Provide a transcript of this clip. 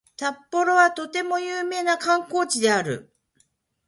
札幌はとても有名な観光地である